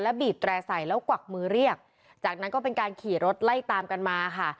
บีบแตร่ใส่แล้วกวักมือเรียกจากนั้นก็เป็นการขี่รถไล่ตามกันมาค่ะ